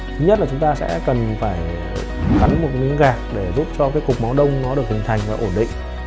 thứ nhất là chúng ta sẽ cần phải gắn một miếng gạt để giúp cho cái cục máu đông nó được hình thành và ổn định